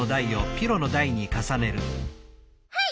はい！